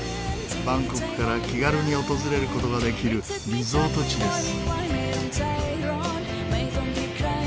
バンコクから気軽に訪れる事ができるリゾート地です。